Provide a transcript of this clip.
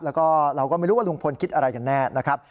แล้วก็เราก็ไม่รู้ว่าลุงพลคิดอะไรกันแน่นะครับ